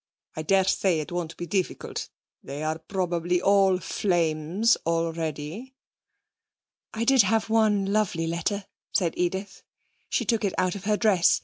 I daresay it won't be difficult; they are probably all flames already.' 'I did have one lovely letter,' said Edith. She took it out of her dress.